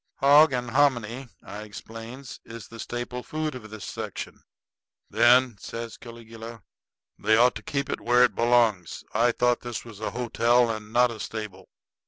"Hog and hominy," I explains, "is the staple food of this section." "Then," says Caligula, "they ought to keep it where it belongs. I thought this was a hotel and not a stable.